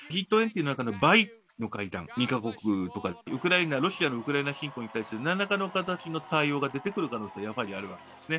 Ｇ２０の中のバイの会談、２か国とか、ウクライナ、ロシアのウクライナ侵攻、なんらかの形の対応が出てくる可能性、やはりあるわけですね。